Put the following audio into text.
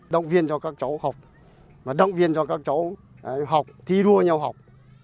động viên cho các cháu học và động viên cho các cháu học thi đua nhau học